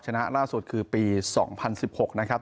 ชนะล่าสุดคือปี๒๐๑๖นะครับ